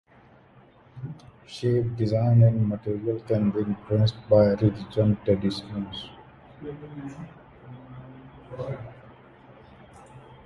Shape, design and material can be influenced by regional traditions.